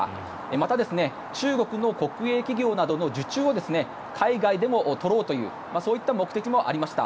また、中国の国営企業などの受注を海外でも取ろうというそういった目的もありました。